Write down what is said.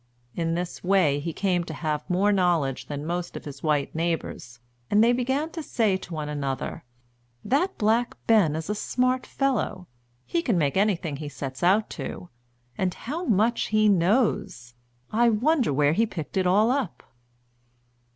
In this way, he came to have more knowledge than most of his white neighbors; and they began to say to one another, "That black Ben is a smart fellow. He can make anything he sets out to; and how much he knows! I wonder where he picked it all up."